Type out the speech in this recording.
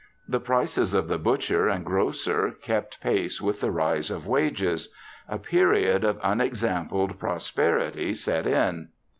The prices of the butcher and grocer kept pace with the rise of wages. A period of unexampled prosperity set in.